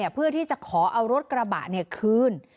เพื่อที่จะขอเอารถกระบะคืน